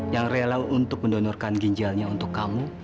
yang rela untuk mendonorkan ginjalnya untuk kamu